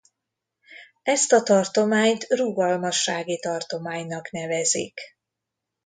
Ezt a tartományt rugalmassági tartománynak nevezik.